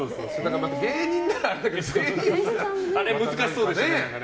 芸人ならあれだけどあれ難しそうでしたね。